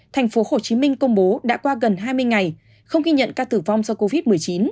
tp hcm công bố đã qua gần hai mươi ngày không ghi nhận ca tử vong do covid một mươi chín